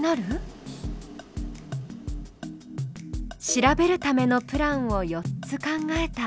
調べるためのプランを４つ考えた。